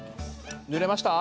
ぬれました？